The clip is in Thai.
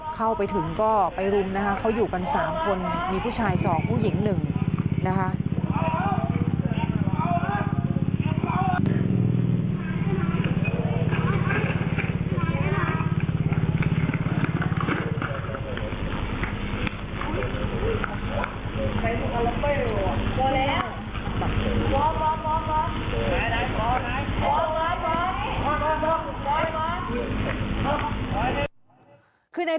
เข้าไปถึงก็ไปรุมนะคะเขาอยู่กัน๓คนมีผู้ชายสองผู้หญิง๑นะคะ